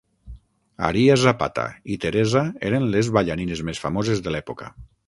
Aria Zapata i Teresa eren les ballarines més famoses de l'època.